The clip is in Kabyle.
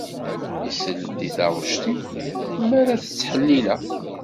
Isell-d i taɣect-iw mi arad t-ttḥellileɣ.